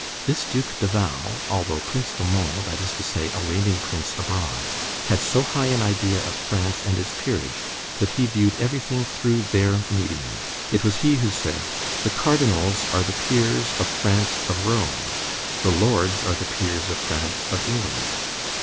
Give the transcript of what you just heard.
This Duc de Val, although Prince de Mon, that is to say a reigning prince abroad, had so high an idea of France and its peerage, that he viewed everything through their medium. It was he who said: "The Cardinals are the peers of France of Rome; the lords are the peers of France of England."